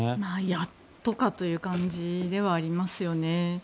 やっとかという感じではありますよね。